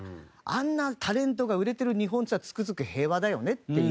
あんなタレントが売れてる日本っていうのはつくづく平和だよねっていう。